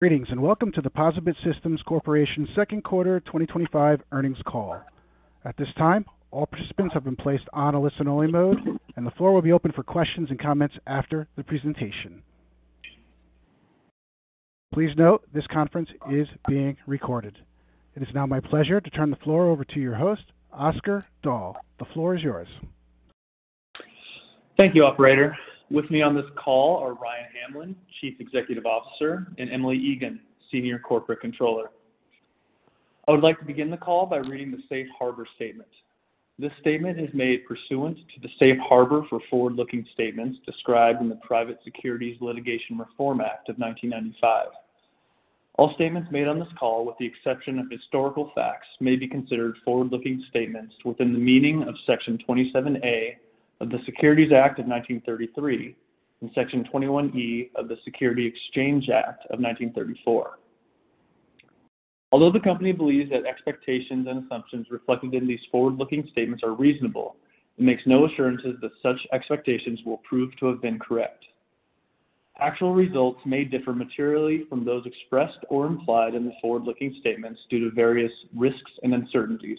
Greetings and welcome to the POSaBIT Systems Corporation's second quarter 2025 earnings call. At this time, all participants have been placed on a listen-only mode, and the floor will be open for questions and comments after the presentation. Please note this conference is being recorded. It is now my pleasure to turn the floor over to your host, Oscar Dahl. The floor is yours. Thank you, operator. With me on this call are Ryan Hamlin, Chief Executive Officer, and Emily Egan, Senior Corporate Controller. I would like to begin the call by reading the Safe Harbor Statement. This statement is made pursuant to the Safe Harbor for forward-looking statements described in the Private Securities Litigation Reform Act of 1995. All statements made on this call, with the exception of historical facts, may be considered forward-looking statements within the meaning of Section 27A of the Securities Act of 1933 and Section 21E of the Securities Exchange Act of 1934. Although the company believes that expectations and assumptions reflected in these forward-looking statements are reasonable, it makes no assurances that such expectations will prove to have been correct. Actual results may differ materially from those expressed or implied in the forward-looking statements due to various risks and uncertainties.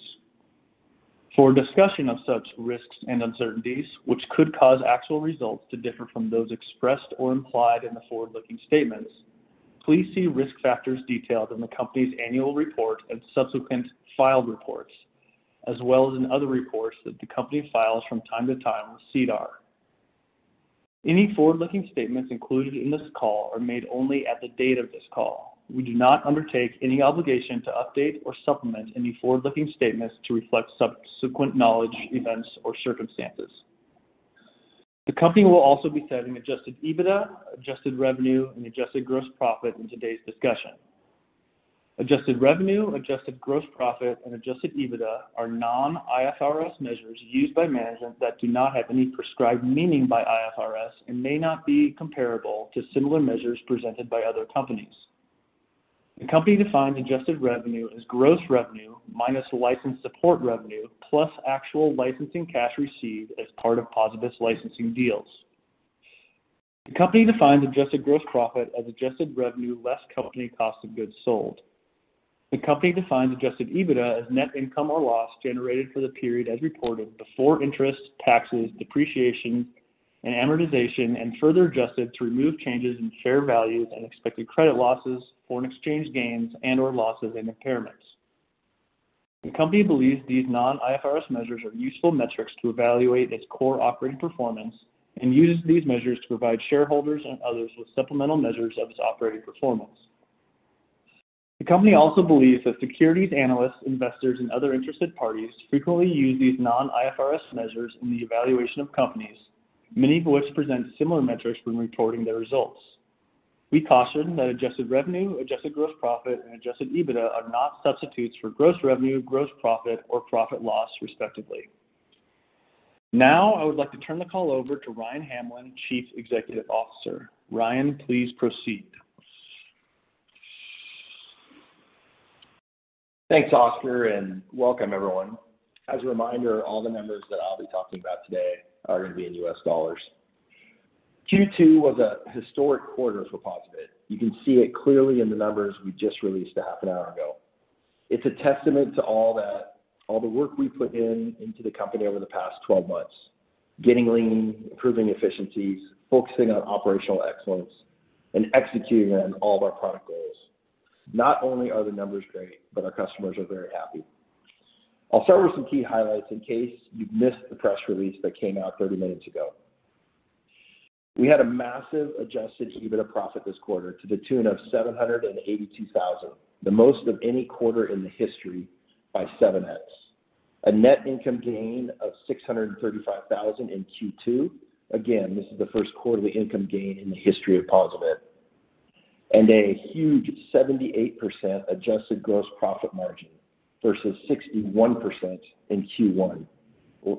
For a discussion of such risks and uncertainties, which could cause actual results to differ from those expressed or implied in the forward-looking statements, please see risk factors detailed in the company's annual report and subsequent filed reports, as well as in other reports that the company files from time to time with SEDAR. Any forward-looking statements included in this call are made only at the date of this call. We do not undertake any obligation to update or supplement any forward-looking statements to reflect subsequent knowledge, events, or circumstances. The company will also be citing adjusted EBITDA, adjusted revenue, and adjusted gross profit in today's discussion. Adjusted revenue, adjusted gross profit, and adjusted EBITDA are non-IFRS measures used by management that do not have any prescribed meaning by IFRS and may not be comparable to similar measures presented by other companies. The company defines adjusted revenue as gross revenue minus license support revenue plus actual licensing cash received as part of POSaBIT's licensing deals. The company defines adjusted gross profit as adjusted revenue less company cost of goods sold. The company defines adjusted EBITDA as net income or loss generated for the period as reported before interest, taxes, depreciation, and amortization, and further adjusted to remove changes in share values and expected credit losses or in exchange gains and/or losses and impairments. The company believes these non-IFRS measures are useful metrics to evaluate its core operating performance and uses these measures to provide shareholders and others with supplemental measures of its operating performance. The company also believes that securities analysts, investors, and other interested parties frequently use these non-IFRS measures in the evaluation of companies, many of which present similar metrics when reporting their results. We caution that adjusted revenue, adjusted gross profit, and adjusted EBITDA are not substitutes for gross revenue, gross profit, or profit loss, respectively. Now I would like to turn the call over to Ryan Hamlin, Chief Executive Officer. Ryan, please proceed. Thanks, Oscar, and welcome, everyone. As a reminder, all the numbers that I'll be talking about today are going to be in US dollars. Q2 was a historic quarter for POSaBIT. You can see it clearly in the numbers we just released a half an hour ago. It's a testament to all the work we put into the company over the past 12 months, getting lean, improving efficiencies, focusing on operational excellence, and executing on all of our product goals. Not only are the numbers great, but our customers are very happy. I'll start with some key highlights in case you missed the press release that came out 30 minutes ago. We had a massive adjusted EBITDA profit this quarter to the tune of $782,000, the most of any quarter in the history, by 7x. A net income gain of $635,000 in Q2. Again, this is the first quarterly net income gain in the history of POSaBIT. A huge 78% adjusted gross profit margin versus 61% in Q1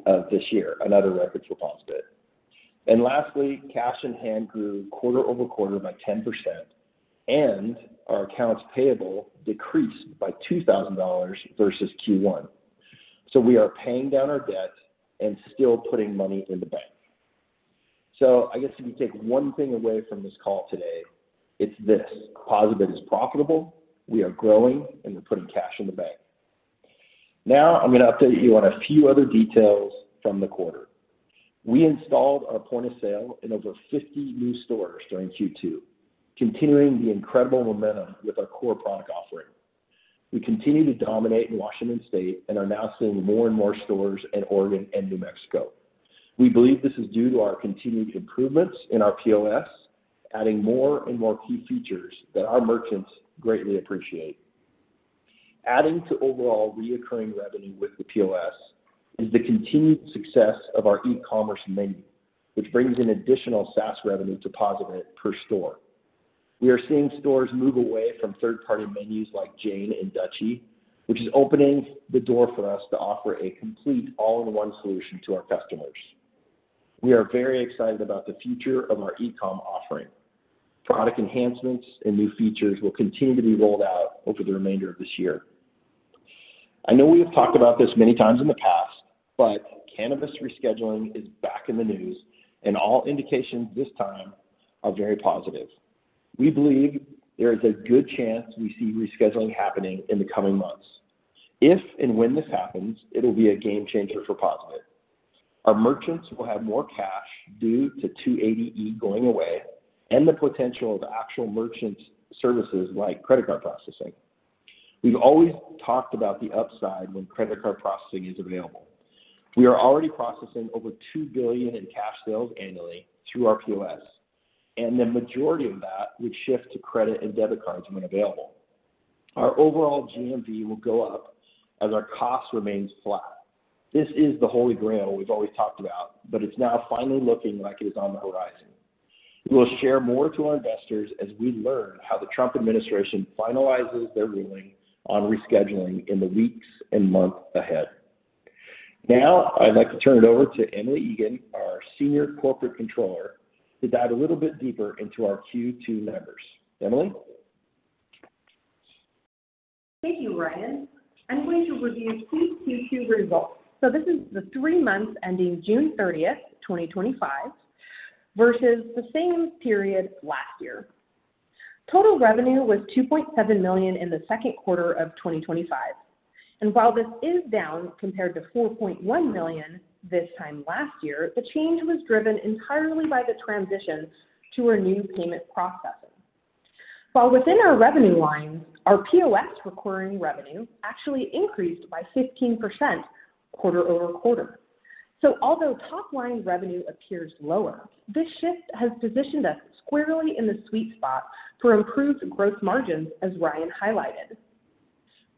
of this year, another leverage for POSaBIT. Lastly, cash on hand grew quarter-over-quarter by 10%, and our accounts payable decreased by $2,000 versus Q1. We are paying down our debt and still putting money in the bank. If you take one thing away from this call today, it's this: POSaBIT is profitable, we are growing, and we're putting cash in the bank. Now I'm going to update you on a few other details from the quarter. We installed our point-of-sale solution in over 50 new stores during Q2, continuing the incredible momentum with our core product offering. We continue to dominate in Washington State and are now seeing more and more stores in Oregon and New Mexico. We believe this is due to our continued improvements in our POS, adding more and more key features that our merchants greatly appreciate. Adding to overall recurring revenue with the POS is the continued success of our e-commerce and menu service, which brings in additional SaaS revenue to POSaBIT per store. We are seeing stores move away from third-party providers like Jane and Dutchie, which is opening the door for us to offer a complete all-in-one solution to our customers. We are very excited about the future of our e-comm offering. Product enhancements and new features will continue to be rolled out over the remainder of this year. I know we have talked about this many times in the past, but cannabis rescheduling is back in the news, and all indications this time are very positive. We believe there is a good chance we see rescheduling happening in the coming months. If and when this happens, it will be a game changer for POSaBIT. Our merchants will have more cash due to Section 280E going away and the potential of actual merchant services like credit card processing. We've always talked about the upside when credit card processing is available. We are already processing over $2 billion in cash sales annually through our POS, and the majority of that would shift to credit and debit cards when available. Our overall GMV will go up as our cost remains flat. This is the holy grail we've always talked about, but it's now finally looking like it is on the horizon. We will share more to our investors as we learn how the Trump administration finalizes their ruling on rescheduling in the weeks and months ahead. Now I'd like to turn it over to Emily Egan, our Senior Corporate Controller, to dive a little bit deeper into our Q2 numbers. Emily. Thank you, Ryan. I'm going to review the Q2 results. This is the three months ending June 30th, 2025, versus the same period last year. Total revenue was $2.7 million in the second quarter of 2025. While this is down compared to $4.1 million this time last year, the change was driven entirely by the transition to renewed payment processing. Within our revenue line, our POS recurring revenue actually increased by 15% quarter-over-quarter. Although top line revenue appears lower, this shift has positioned us squarely in the sweet spot for improved gross margins, as Ryan highlighted.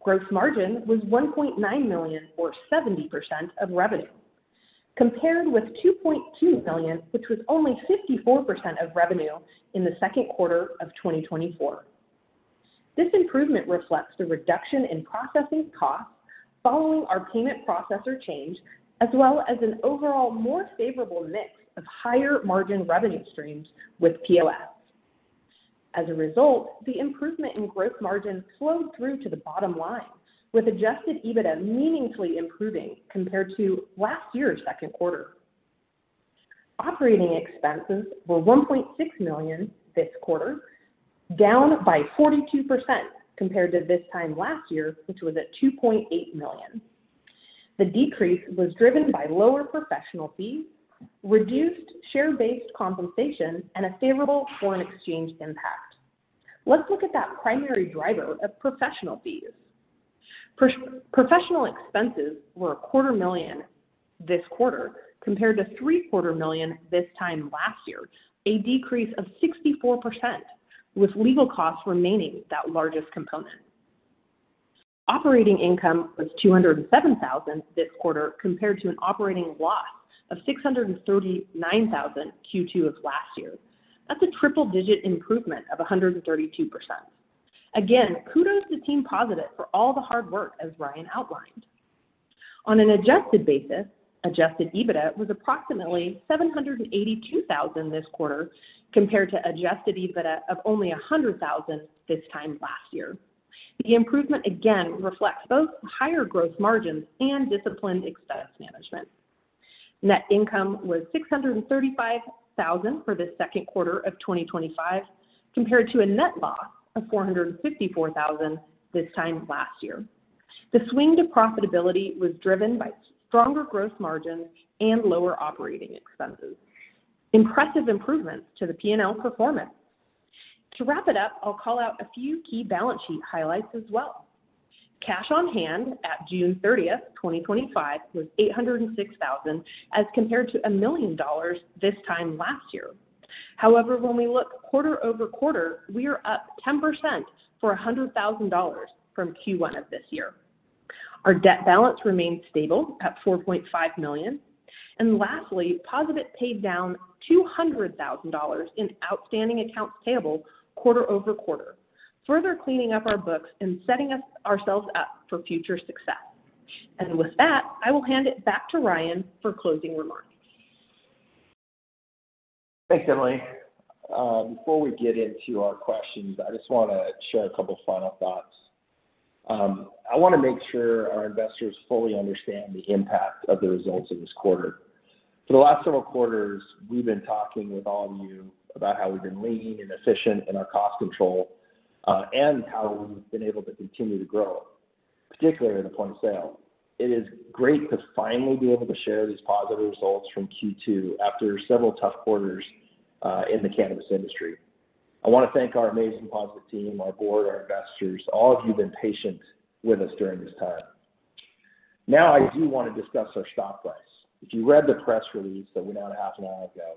Gross margin was $1.9 million, or 70% of revenue, compared with $2.2 million, which was only 54% of revenue in the second quarter of 2024. This improvement reflects the reduction in processing costs following our payment processor change, as well as an overall more favorable mix of higher margin revenue streams with POS. As a result, the improvement in gross margin flowed through to the bottom line, with adjusted EBITDA meaningfully improving compared to last year's second quarter. Operating expenses were $1.6 million this quarter, down by 42% compared to this time last year, which was at $2.8 million. The decrease was driven by lower professional fees, reduced share-based compensation, and a favorable foreign exchange impact. Let's look at that primary driver of professional fees. Professional expenses were $250,000 this quarter compared to $750,000 this time last year, a decrease of 64%, with legal costs remaining that largest component. Operating income was $207,000 this quarter compared to an operating loss of $639,000 Q2 of last year. That's a triple-digit improvement of 132%. Again, kudos to Team POSaBIT for all the hard work, as Ryan outlined. On an adjusted basis, adjusted EBITDA was approximately $782,000 this quarter compared to adjusted EBITDA of only $100,000 this time last year. The improvement again reflects both higher gross margins and disciplined expense management. Net income was $635,000 for this second quarter of 2025, compared to a net loss of $454,000 this time last year. The swing to profitability was driven by stronger gross margins and lower operating expenses. Impressive improvements to the P&L performance. To wrap it up, I'll call out a few key balance sheet highlights as well. Cash on hand at June 30th, 2025, was $806,000 as compared to $1 million this time last year. However, when we look quarter-over-quarter, we are up 10% or $100,000 from Q1 of this year. Our debt balance remained stable at $4.5 million. Lastly, POSaBIT paid down $200,000 in outstanding accounts payable quarter-over-quarter, further cleaning up our books and setting ourselves up for future success. With that, I will hand it back to Ryan for closing remarks. Thanks, Emily. Before we get into our questions, I just want to share a couple of final thoughts. I want to make sure our investors fully understand the impact of the results of this quarter. For the last several quarters, we've been talking with all of you about how we've been lean and efficient in our cost control and how we've been able to continue to grow, particularly in the point-of-sale. It is great to finally be able to share these positive results from Q2 after several tough quarters in the cannabis industry. I want to thank our amazing POSaBIT team, my board, our investors, all of you who have been patient with us during this time. Now, I do want to discuss our stock price. If you read the press release that went out a half an hour ago,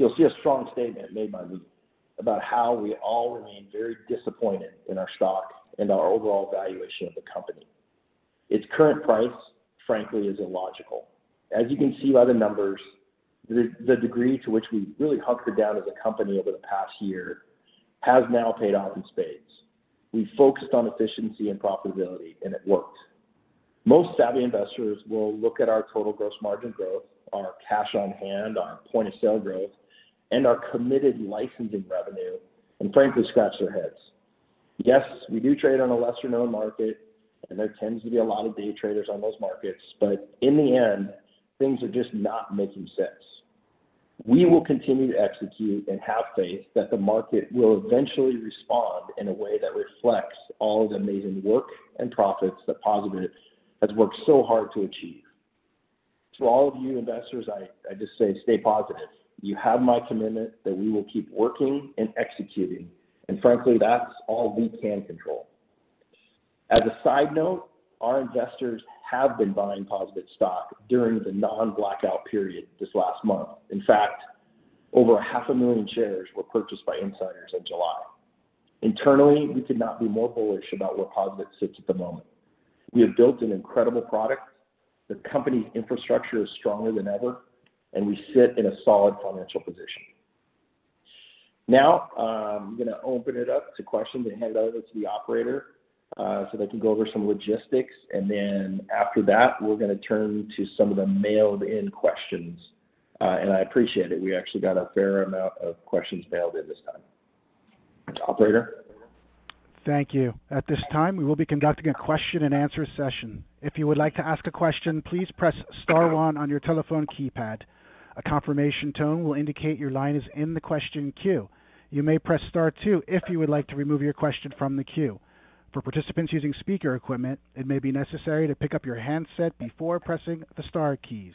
you'll see a strong statement made by me about how we all remain very disappointed in our stock and our overall valuation of the company. Its current price, frankly, is illogical. As you can see by the numbers, the degree to which we really hunted down as a company over the past year has now paid off in spades. We focused on efficiency and profitability, and it worked. Most savvy investors will look at our total gross margin growth, our cash on hand, our point-of-sale growth, and our committed licensing revenue and frankly scratch their heads. Yes, we do trade on a lesser-known market, and there tends to be a lot of day traders on those markets, but in the end, things are just not making sense. We will continue to execute and have faith that the market will eventually respond in a way that reflects all of the amazing work and profits that POSaBIT has worked so hard to achieve. To all of you investors, I just say stay positive. You have my commitment that we will keep working and executing, and frankly, that's all we can control. As a side note, our investors have been buying POSaBIT stock during the non-blackout period this last month. In fact, over 500,000 shares were purchased by insiders in July. Internally, we could not be more bullish about where POSaBIT sits at the moment. We have built an incredible product. The company's infrastructure is stronger than ever, and we sit in a solid financial position. Now, I'm going to open it up to questions and hand it over to the operator so they can go over some logistics, and then after that, we're going to turn to some of the mailed-in questions, and I appreciate it. We actually got a fair amount of questions mailed in this time. Operator? Thank you. At this time, we will be conducting a question and answer session. If you would like to ask a question, please press star one on your telephone keypad. A confirmation tone will indicate your line is in the question queue. You may press star two if you would like to remove your question from the queue. For participants using speaker equipment, it may be necessary to pick up your handset before pressing the star keys.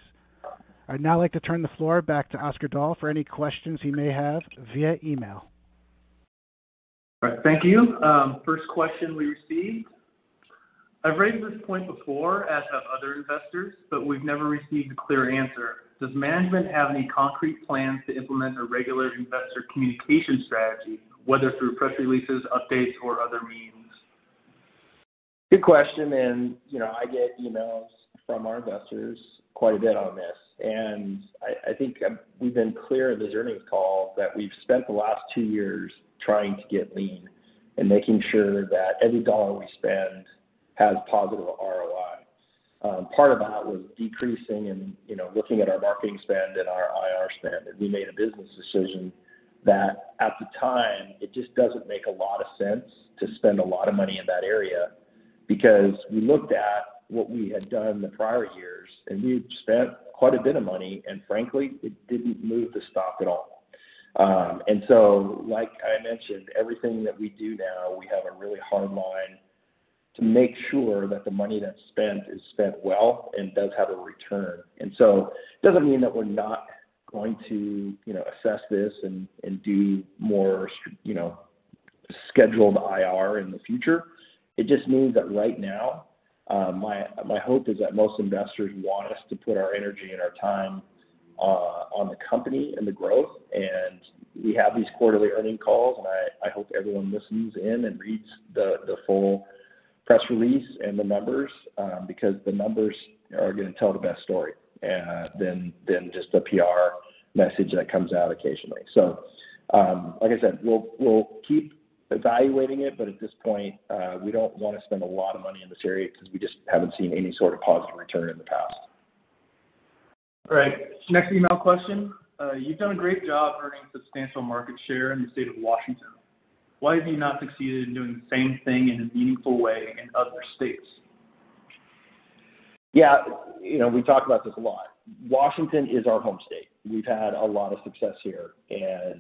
I'd now like to turn the floor back to Oscar Dahl for any questions he may have via email. All right. Thank you. First question we receive. I've raised this point before, as have other investors, but we've never received a clear answer. Does management have any concrete plans to implement a regular investor communication strategy, whether through press releases, updates, or other means? Good question. You know I get emails from our investors quite a bit on this. I think we've been clear in this earnings call that we've spent the last two years trying to get lean and making sure that every dollar we spend has positive ROI. Part of that was decreasing and, you know, looking at our net being spend and our IR spend. We made a business decision that at the time, it just doesn't make a lot of sense to spend a lot of money in that area because we looked at what we had done in the prior years, and we had spent quite a bit of money, and frankly, it didn't move the stock at all. Like I mentioned, everything that we do now, we have a really hard line to make sure that the money that's spent is spent well and does have a return. It doesn't mean that we're not going to, you know, assess this and do more, you know, scheduled IR in the future. It just means that right now, my hope is that most investors want us to put our energy and our time on the company and the growth. We have these quarterly earning calls, and I hope everyone listens in and reads the full press release and the numbers, because the numbers are going to tell the best story, than just the PR message that comes out occasionally. Like I said, we'll keep evaluating it, but at this point, we don't want to spend a lot of money in this area because we just haven't seen any sort of positive return in the past. All right. Next email question. You've done a great job earning substantial market share in the state of Washington. Why have you not succeeded in doing the same thing in a meaningful way in other states? Yeah, you know, we talk about this a lot. Washington is our home state. We've had a lot of success here, and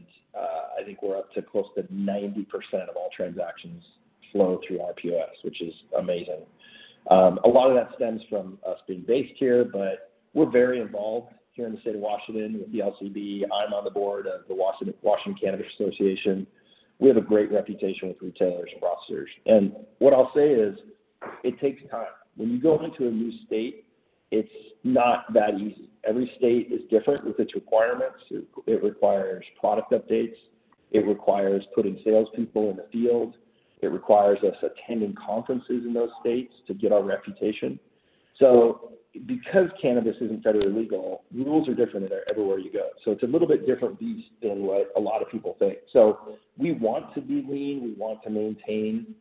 I think we're up to close to 90% of all transactions flow through our POS, which is amazing. A lot of that stems from us being based here, but we're very involved here in the state of Washington with the LCB. I'm on the board of the Washington Cannabis Association. We have a great reputation with retailers and broadcasters. What I'll say is it takes time. When you go into a new state, it's not that easy. Every state is different with its requirements. It requires product updates. It requires putting salespeople in the field. It requires us attending conferences in those states to get our reputation. Because cannabis isn't federally legal, the rules are different everywhere you go. It's a little bit different beast than what a lot of people think. We want to be lean. We want to maintain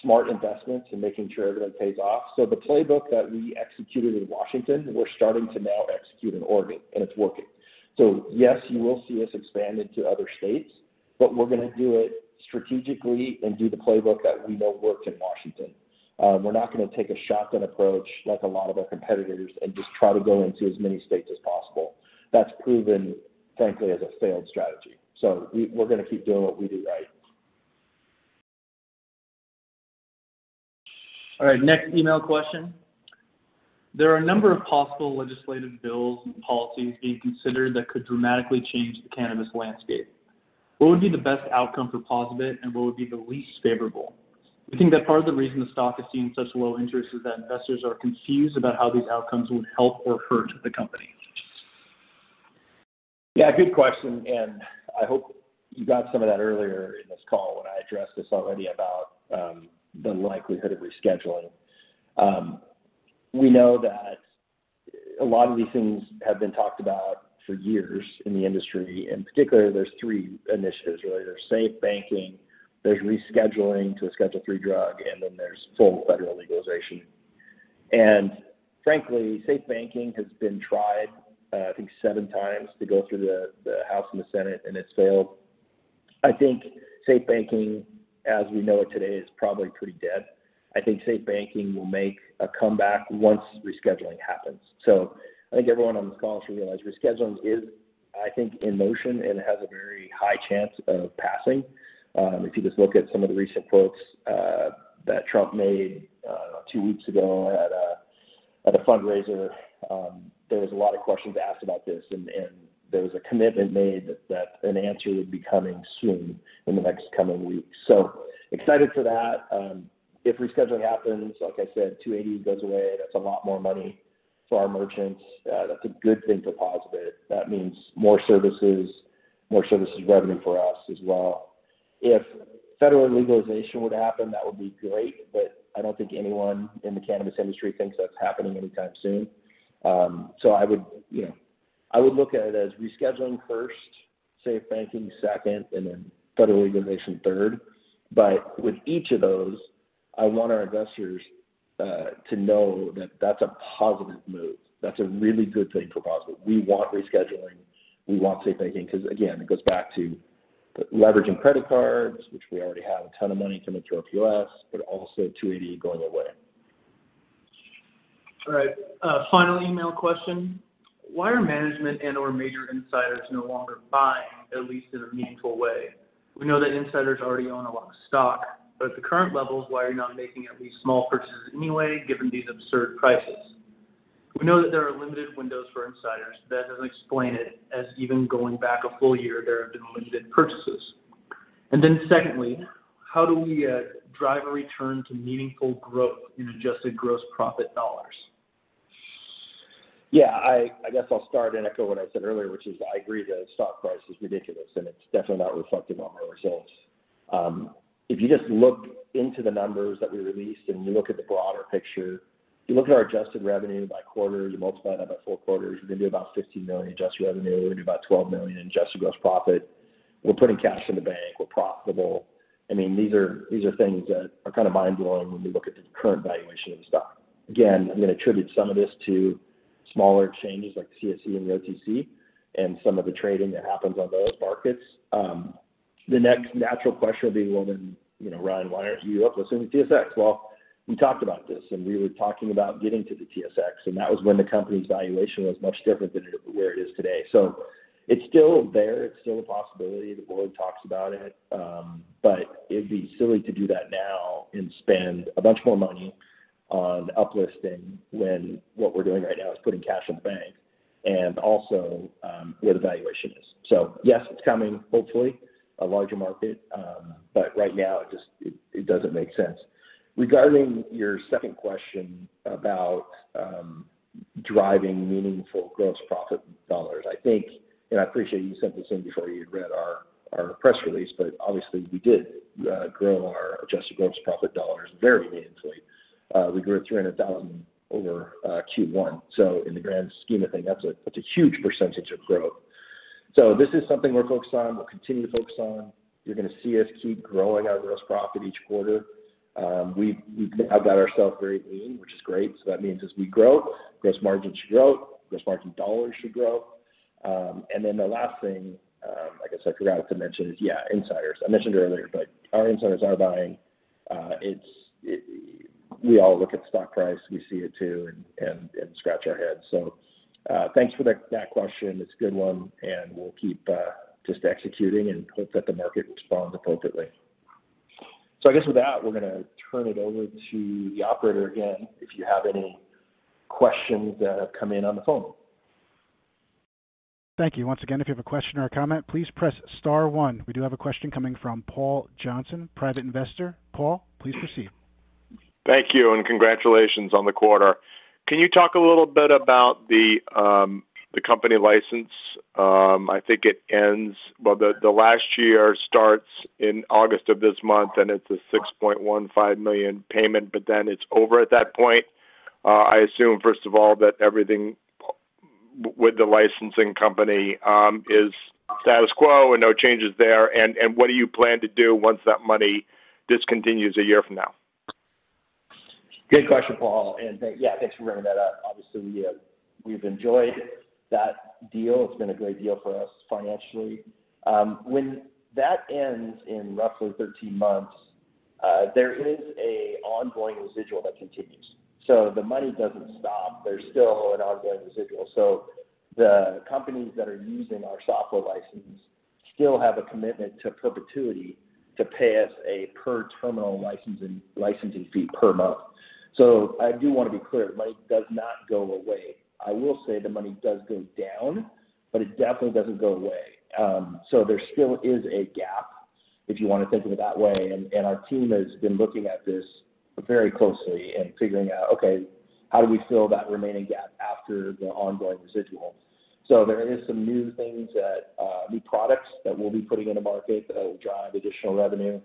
smart investments and making sure that it pays off. The playbook that we executed in Washington, we're starting to now execute in Oregon, and it's working. Yes, you will see us expand into other states, but we're going to do it strategically and do the playbook that we know works in Washington. We're not going to take a shotgun approach like a lot of our competitors and just try to go into as many states as possible. That's proven, frankly, as a failed strategy. We're going to keep doing what we do right. All right. Next email question. There are a number of possible legislative bills, policies being considered that could dramatically change the cannabis landscape. What would be the best outcome for POSaBIT, and what would be the least favorable? We think that part of the reason the stock is seeing such low interest is that investors are confused about how these outcomes would help or hurt the company. Yeah, good question. I hope you got some of that earlier in the fall when I addressed this already about the likelihood of rescheduling. We know that a lot of these things have been talked about for years in the industry. In particular, there's three initiatives, really. There's safe banking, there's rescheduling to a Schedule III drug, and then there's full federal legalization. Frankly, safe banking has been tried, I think, seven times to go through the House and the Senate, and it's failed. I think safe banking, as we know it today, is probably pretty dead. I think safe banking will make a comeback once rescheduling happens. I think everyone on the call should realize rescheduling is, I think, in motion and has a very high chance of passing. If you just look at some of the recent quotes that Trump made two weeks ago at a fundraiser, there was a lot of questions asked about this, and there was a commitment made that an answer would be coming soon in the next coming week. Excited for that. If rescheduling happens, like I said, 280E goes away. That's a lot more money for our merchants. That's a good thing for POSaBIT. That means more services, more services revenue for us as well. If federal legalization would happen, that would be great, but I don't think anyone in the cannabis industry thinks that's happening anytime soon. I would look at it as rescheduling first, safe banking second, and then federal legalization third. With each of those, I want our investors to know that that's a positive move. That's a really good thing for POSaBIT. We want rescheduling. We want safe banking because, again, it goes back to the leveraging credit cards, which we already have a ton of money coming through our POS, but also 280E going away. All right. Final email question. Why are management and/or major insiders no longer buying, at least in a meaningful way? We know that insiders already own a lot of stock, but at the current levels, why are you not making at least small purchases anyway, given these absurd prices? We know that there are limited windows for insiders. That doesn't explain it, as even going back a full year, there have been limited purchases. Secondly, how do we drive a return to meaningful growth in adjusted gross profit dollars? Yeah, I guess I'll start and echo what I said earlier, which is I agree the stock price is ridiculous, and it's definitely not reflective of our results. If you just look into the numbers that we released, and you look at the broader picture, you look at our adjusted revenue by quarter, you multiply that by four quarters, we're going to do about $15 million in adjusted revenue, we're going to do about $12 million in adjusted gross profit. We're putting cash in the bank. We're profitable. I mean, these are things that are kind of mind-blowing when we look at the current valuation of the stock. Again, I'm going to attribute some of this to smaller changes like the CSE and the OTC and some of the trading that happens on those markets. The next natural question would be, you know, Ryan, why aren't you uplisting to TSX? You talked about this, and we were talking about getting to the TSX, and that was when the company's valuation was much different than where it is today. It's still there. It's still a possibility. The board talks about it, but it'd be silly to do that now and spend a bunch more money on uplisting when what we're doing right now is putting cash in the bank and also, what the valuation is. Yes, it's coming, hopefully, a larger market, but right now, it just doesn't make sense. Regarding your second question about driving meaningful gross profit dollars, I think, and I appreciate you said the same before you read our press release, but obviously, we did grow our adjusted gross profit dollars very meaningfully. We grew at $300,000 over Q1. In the grand scheme of things, that's a huge percentage of growth. This is something we're focused on. We'll continue to focus on it. You're going to see us keep growing our gross profit each quarter. We've now got ourselves very lean, which is great. That means as we grow, this margin should grow, this margin dollar should grow. The last thing I forgot to mention is, yeah, insiders. I mentioned earlier, but our insiders are buying. We all look at the stock price. We see it too and scratch our heads. Thanks for that question. It's a good one, and we'll keep just executing and hope that the market responds appropriately. I guess with that, we're going to turn it over to the operator again if you have any questions that have come in on the phone. Thank you. Once again, if you have a question or a comment, please press star one. We do have a question coming from Paul Johnson, private investor. Paul, please proceed. Thank you, and congratulations on the quarter. Can you talk a little bit about the company license? I think it ends, the last year starts in August of this month, and it's a $6.15 million payment, but then it's over at that point. I assume, first of all, that everything with the licensing company is status quo and no changes there. What do you plan to do once that money discontinues a year from now? Good question, Paul. Thank you, yeah, thanks for bringing that up. Obviously, we've enjoyed that deal. It's been a great deal for us financially. When that ends in roughly 13 months, there is an ongoing residual that continues. The money doesn't stop. There's still an ongoing residual. The companies that are using our software license still have a commitment to perpetuity to pay us a per-terminal licensing fee per month. I do want to be clear. The money does not go away. I will say the money does go down, but it definitely doesn't go away. There still is a gap, if you want to think of it that way. Our team has been looking at this very closely and figuring out, okay, how do we fill that remaining gap after the ongoing residual? There are some new things, new products that we'll be putting into market that will drive additional revenue.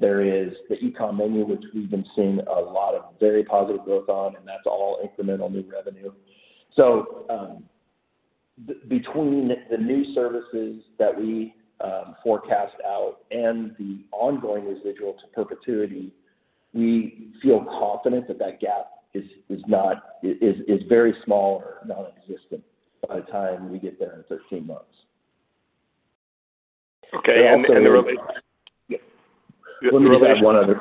There is the e-commerce and menu service, which we've been seeing a lot of very positive growth on, and that's all incremental new revenue. Between the new services that we forecast out and the ongoing residual to perpetuity, we feel confident that that gap is very small, nonexistent by the time we get there in 13 months. Okay. The robust. We only have one other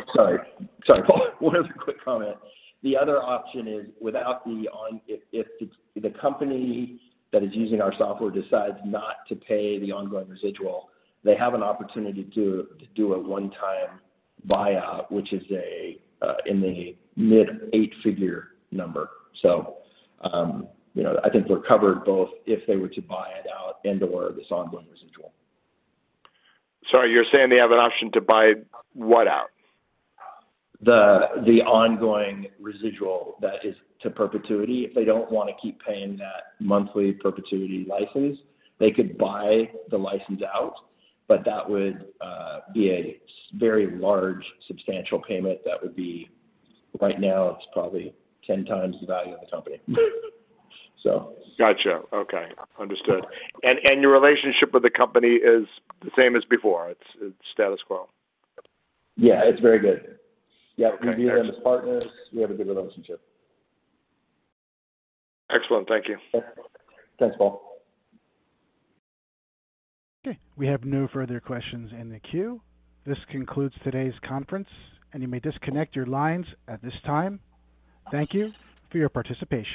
quick comment. The other option is if the company that is using our software decides not to pay the ongoing residual, they have an opportunity to do a one-time buyout, which is in the mid-eight-figure number. I think they're covered both if they were to buy it out and/or this ongoing residual. Sorry, you're saying they have an option to buy what out? The ongoing residual that is to perpetuity. If they don't want to keep paying that monthly perpetuity license, they could buy the license out, but that would be a very large, substantial payment. Right now, it's probably 10x the value of the company. Gotcha. Okay. Understood. Your relationship with the company is the same as before. It's status quo. Yeah, it's very good. We view them as partners. We have a good relationship. Excellent. Thank you. Thanks, Paul. Okay. We have no further questions in the queue. This concludes today's conference, and you may disconnect your lines at this time. Thank you for your participation.